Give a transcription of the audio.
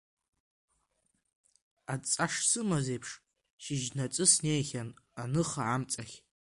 Адҵа шсымаз еиԥш, шьыжьнаҵы снеихьан Аныха амҵахь.